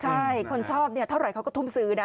ใช่คนชอบเท่าไรเขาก็ทุ่มซื้อนะ